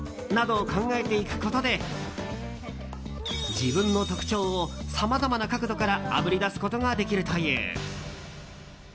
などを考えていくことで自分の特徴をさまざまな角度からあぶり出すことができるという。